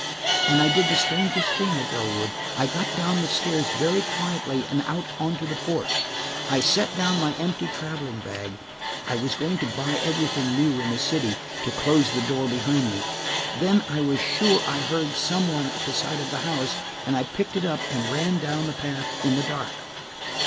And I did the strangest thing at Bellwood. I got down the stairs very quietly and out on to the porch. I set down my empty traveling bag–I was going to buy everything new in the city–to close the door behind me. Then I was sure I heard some one at the side of the house, and I picked it up and ran down the path in the dark.